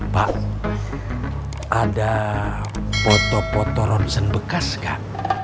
pak ada foto foto ronsen bekas kan